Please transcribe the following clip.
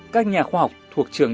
các nhà khoa học thuộc trường